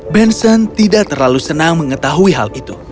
benson tidak terlalu senang mengetahui hal itu